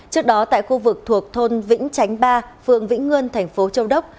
trước đó tại khu vực thuộc thôn vĩnh chánh ba phường vĩnh ngươn thành phố châu đốc